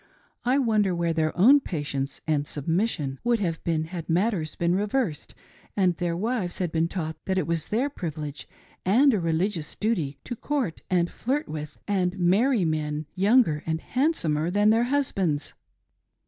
I. wonder where their own patience and submission would have been had matters been reversed and their wives had been taught that it was their privilege and a religious duty to court, and flirt with and marry men younger and handsomer than their husbands